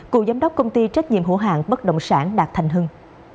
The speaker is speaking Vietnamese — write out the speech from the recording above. cựu giám đốc công ty trách nhiệm hữu hàng bất động sản đạt thành hưng